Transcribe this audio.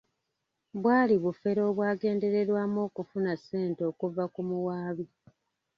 Bwali bufere obwagendererwamu kufuna ssente okuva ku muwaabi.